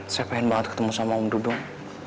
saya pengen banget ketemu sama om dubun